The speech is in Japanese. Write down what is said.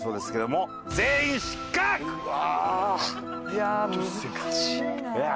いや難しいな。